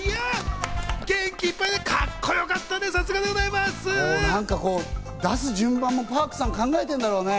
元気いっぱいで、カッコよかったですね。